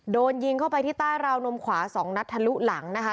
โดนยิงเข้าไปที่ใต้ราวนมขวา๒นัดทะลุหลังนะคะ